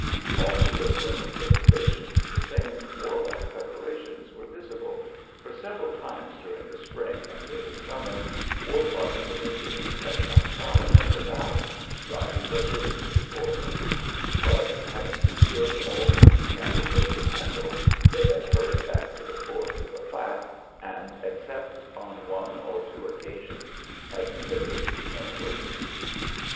All through the rooms of the station the same war like preparations were visible, for several times during the spring and early summer war parties of Indians had come prowling up the valley, driving the herders before them; but, having secured all the beef cattle they could handle, they had hurried back to the fords of the Platte and, except on one or two occasions, had committed no murders.